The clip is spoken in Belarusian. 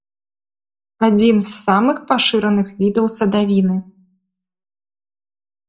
Адзін з самых пашыраных відаў садавіны.